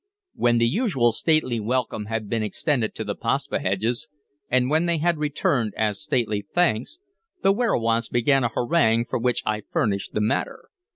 When the usual stately welcome had been extended to the Paspaheghs, and when they had returned as stately thanks, the werowance began a harangue for which I furnished the matter.